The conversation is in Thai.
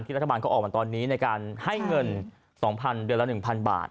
ที่รัฐบาลเค้าออกมาตอนนี้ในการให้เงินสองพันธุ์เดือนละหนึ่งพันบาท